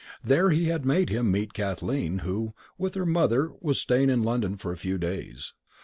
There he had made him meet Kathleen who, with her mother, was staying in London for a few days.